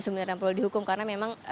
sebenarnya perlu dihukum karena memang